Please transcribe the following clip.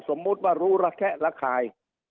สมมุติว่ารู้ระแคะระคาย